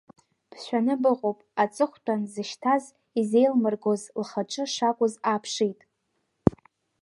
Бшәаны быҟоуп, аҵыхәтәан дзышьҭаз изеилмыргоз лхаҿы шакәыз ааԥшит.